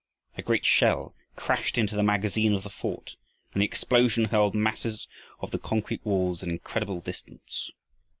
A great shell crashed into the magazine of the fort, and the explosion hurled masses of the concrete walls an incredible distance.